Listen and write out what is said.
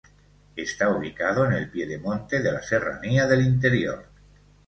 Está ubicado en el piedemonte de la Serranía del Interior.